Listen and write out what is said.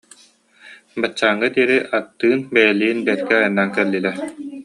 Баччааҥҥа диэри аттыын, бэйэлиин бэркэ айаннаан кэллилэр